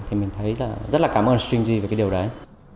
thì mình thấy là rất là cảm ơn stringy về cái điều đấy